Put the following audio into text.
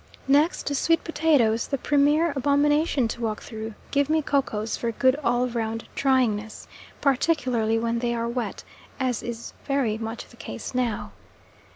Next to sweet potatoes, the premier abomination to walk through, give me kokos for good all round tryingness, particularly when they are wet, as is very much the case now.